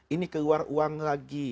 ini keluar uang lagi